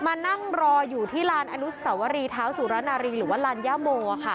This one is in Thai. มานั่งรออยู่ที่ลานอนุสวรีเท้าสุรนารีหรือว่าลานย่าโมค่ะ